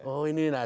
oh ini lah